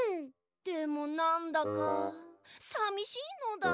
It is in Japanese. でもなんだかさみしいのだ。